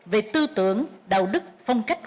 về tư tưởng đạo đức phong cách